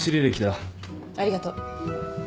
ありがとう。